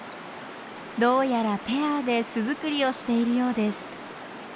どうやらペアで巣づくりをしているようです。